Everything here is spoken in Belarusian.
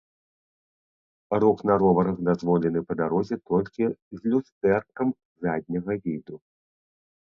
Рух на роварах дазволены па дарозе толькі з люстэркам задняга віду.